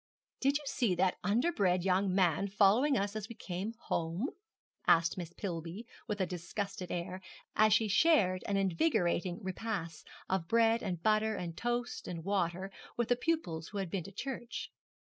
'Did you see that underbred young man following us as we came home?' asked Miss Pillby, with a disgusted air, as she shared an invigorating repast of bread and butter and toast and water with the pupils who had been to church.